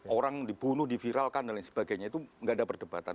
orang dibunuh diviralkan dan lain sebagainya itu nggak ada perdebatan